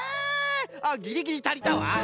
あっギリギリたりたわ。